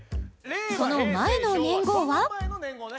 その前の年号ね